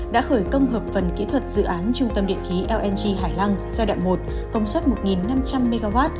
đã khởi công hợp phần kỹ thuật dự án trung tâm điện khí lng hải lăng giai đoạn một công suất một năm trăm linh mw